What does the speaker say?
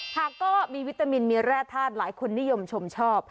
หากก็มีวิตามินมีแร่ธาตุหลายคนนิยมชมชอบ